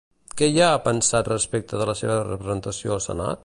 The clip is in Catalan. Què hi ha pensat respecte a la seva representació al Senat?